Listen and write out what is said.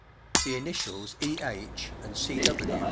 The initials E. H. and C W.